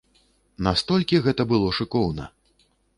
Настолькі гэта было шыкоўна!